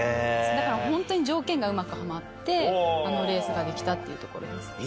だから本当に条件がうまくはまって、あのレースができたっていうところです。